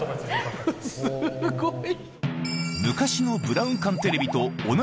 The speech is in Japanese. すごい！